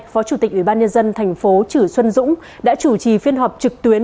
phó chủ tịch ủy ban nhân dân thành phố chử xuân dũng đã chủ trì phiên họp trực tuyến